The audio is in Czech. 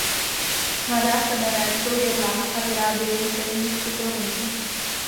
Mladá semena jsou jedlá a vyrábějí se z nich cukrovinky.